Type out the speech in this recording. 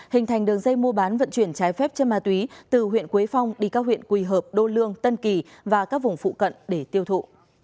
hình thành đường dây mua bán vận chuyển trái phép trên ma túy từ huyện quế phong đi các huyện quỳ hợp đô lương tân kỳ và các vùng phụ cận để tiêu thụ